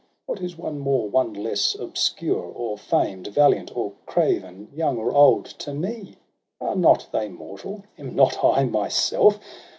What is one more, one less, obscure or famed, Valiant or craven, young or old, to me? Are not they mortal, am not I myself?